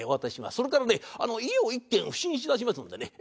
それからね家を一軒普請いたしますんでね。